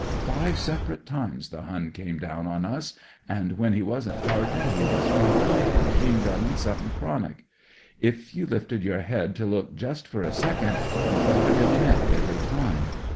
Five separate times the Hun came down on us; an' when he wasn't charging he was crumpin* an' machine gunning some thing chronic. If you lifted your head to look just for a second, you got it in the neck every time.